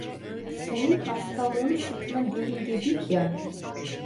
Senin hastalığın sıtma değil dedik ya!